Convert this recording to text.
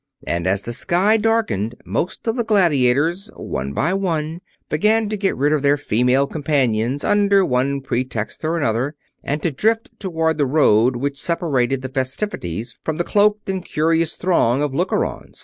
And as the sky darkened, most of the gladiators, one by one, began to get rid of their female companions upon one pretext or another and to drift toward the road which separated the festivities from the cloaked and curious throng of lookers on.